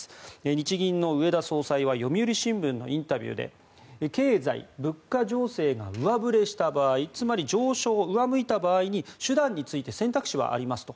日銀の植田総裁は読売新聞のインタビューで経済・物価情勢が上振れした場合つまり上昇、上向いた場合に手段について選択肢はありますと。